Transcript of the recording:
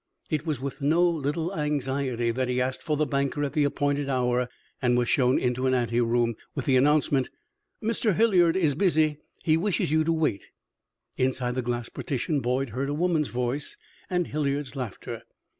It was with no little anxiety that he asked for the banker at the appointed hour, and was shown into an anteroom, with the announcement: "Mr. Hilliard is busy; he wishes you to wait." Inside the glass partition Boyd heard a woman's voice and Hilliard's laughter.